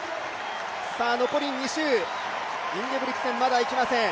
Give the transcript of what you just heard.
残り２周、インゲブリクセン、まだ行きません。